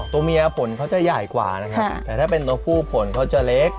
ตัวเมียผลเขาจะใหญ่กว่านะครับแต่ถ้าเป็นตัวผู้ผลเขาจะเล็ก